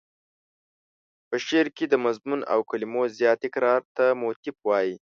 په شعر کې د مضمون او کلمو زیات تکرار ته موتیف وايي.